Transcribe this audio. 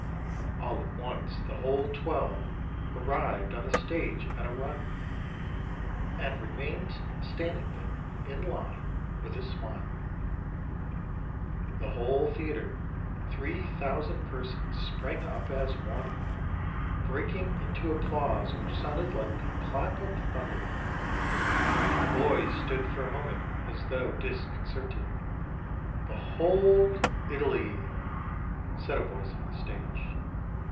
All at once the whole twelve arrived on the stage at a run, and remained standing there in line, with a smile. The whole theatre, three thousand persons, sprang up as one, breaking into applause which sounded like a clap of thunder. The boys stood for a moment as though disconcerted. "Behold Italy!" said a voice on the stage.